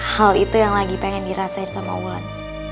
hal itu yang lagi pengen dirasain sama wulan